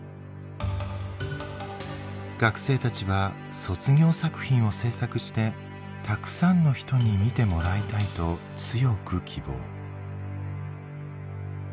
学生たちは卒業作品を制作してたくさんの人に見てもらいたいと強く希望。